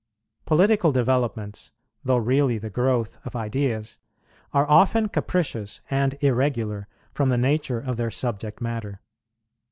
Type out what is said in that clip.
Political developments, though really the growth of ideas, are often capricious and irregular from the nature of their subject matter.